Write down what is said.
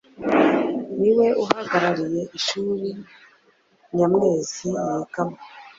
ni we uhagarariye ishuri Nyamwezi yigamo